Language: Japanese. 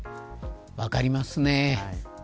分かりますね。